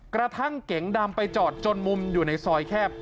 กระทั่งเก๋งดำไปจอดจนมุมอยู่ในซอยแคบ